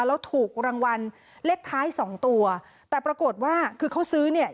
แล้วถูกรางวัลเลขท้ายสองตัวแต่ปรากฏว่าคือเขาซื้อเนี่ย